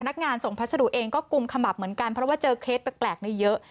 นักงานส่งพัสดุเองก็กุมขมับเหมือนกันเพราะว่าเจอเคสแปลกนี้เยอะ